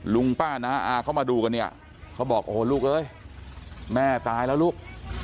ลุงป้าน้าอาเข้ามาดูกันเนี่ยเขาบอกโอ้โหลูกเอ้ยแม่ตายแล้วลูก